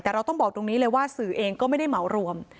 แต่เราต้องบอกตรงนี้เลยว่าสื่อเองก็ไม่ได้เหมารวม